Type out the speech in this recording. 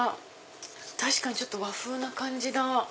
確かにちょっと和風な感じだ。